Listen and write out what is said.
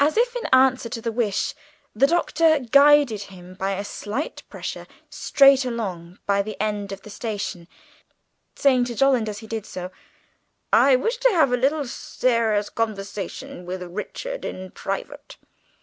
As if in answer to the wish, the Doctor guided him by a slight pressure straight along by the end of the station, saying to Jolland as he did so, "I wish to have a little serious conversation with Richard in private.